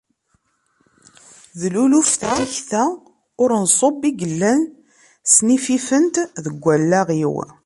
D luluf n tikta ur nṣub i yellan snififent deg allaɣ-iw.